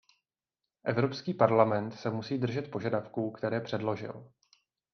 Evropský parlament se musí držet požadavků, které předložil.